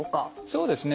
そうですね